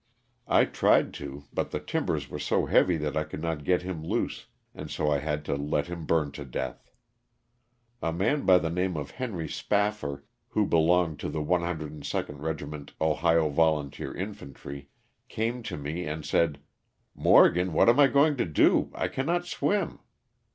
I tried to but the timbers were so heavy that I could not get him loose and so I had to let him burn to death. A man by the name of Henry Spaffar, who belonged to the 102d Kegiment Ohio Volunteer Infantry, came to me and said, *' Morgan, what am I going to do, I cannot swim